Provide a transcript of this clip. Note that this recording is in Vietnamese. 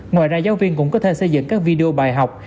ngoài ra giáo viên cũng có thể xây dựng các video bài học